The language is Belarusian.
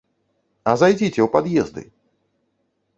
А зайдзіце ў пад'езды.